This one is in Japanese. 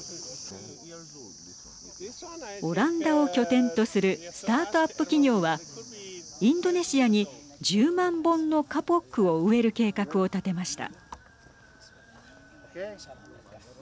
オランダを拠点とするスタートアップ企業はインドネシアに１０万本のカポックを植える計画を立てました。